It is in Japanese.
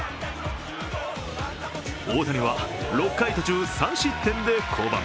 大谷は６回途中３失点で降板。